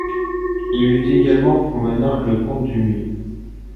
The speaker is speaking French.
Il eut également pour menin le comte du Muy.